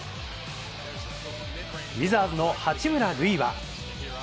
ウィザーズの八村塁は。